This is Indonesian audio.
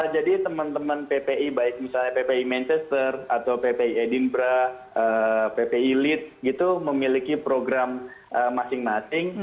jadi teman teman ppi baik misalnya ppi manchester atau ppi edinburgh ppi leeds gitu memiliki program masing masing